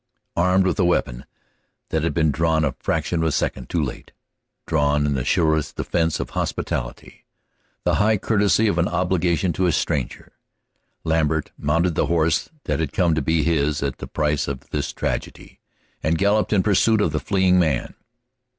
Armed with the weapon that had been drawn a fraction of a second too late, drawn in the chivalrous defense of hospitality, the high courtesy of an obligation to a stranger, Lambert mounted the horse that had come to be his at the price of this tragedy, and galloped in pursuit of the fleeing man.